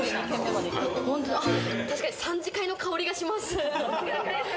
確かに３次会の香りがします。